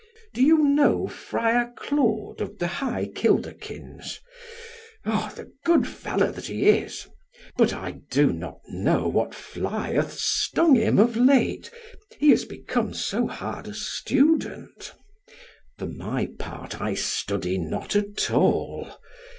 Do you know Friar Claude of the high kilderkins? Oh the good fellow that he is! But I do not know what fly hath stung him of late, he is become so hard a student. For my part, I study not at all.